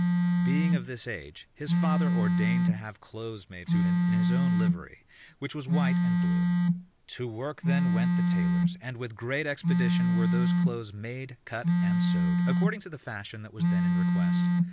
Being of this age, his father ordained to have clothes made to him in his own livery, which was white and blue. To work then went the tailors, and with great expedition were those clothes made, cut, and sewed, according to the fashion that was then in request.